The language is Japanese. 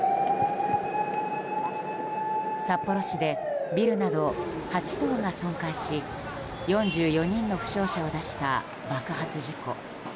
札幌市でビルなど８棟が損壊し４４人の負傷者を出した爆発事故。